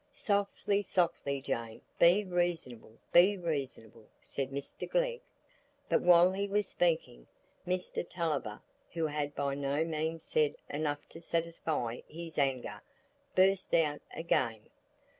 "Softly, softly, Jane; be reasonable, be reasonable," said Mr Glegg. But while he was speaking, Mr Tulliver, who had by no means said enough to satisfy his anger, burst out again.